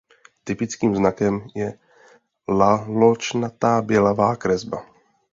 Typickým znakem je laločnatá bělavá kresba.